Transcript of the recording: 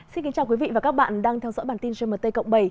xin kính chào quý vị và các bạn đang theo dõi bản tin gmt cộng bảy